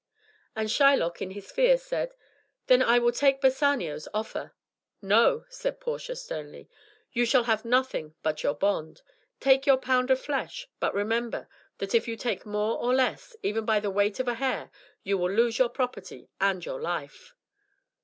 And Shylock, in his fear, said, "Then I will take Bassanio's offer." "No," said Portia sternly, "you shall have nothing but your bond. Take your pound of flesh, but remember, that if you take more or less, even by the weight of a hair, you will lose your property and your life."